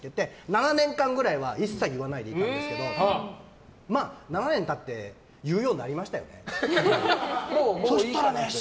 ７年間ぐらい一切言わないでいたんですけどまあ、７年経って言うようになりましたよね。